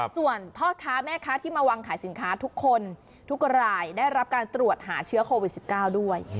ส่วนพ่อค้าแม่ค้าที่มาวางขายสินค้าทุกคนทุกรายได้รับการตรวจหาเชื้อโควิด๑๙ด้วย